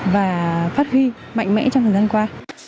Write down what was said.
và phát huy mạnh mẽ trong thời gian qua